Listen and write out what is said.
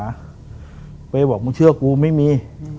เจ้าเปย์บอกมึงเชื่อกูไม่มี